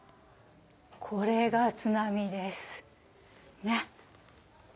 これが津波です。